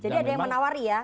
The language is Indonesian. jadi ada yang menawari ya